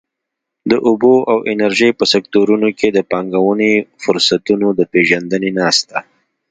د اوبو او انرژۍ په سکټورونو کې د پانګونې فرصتونو د پېژندنې ناسته.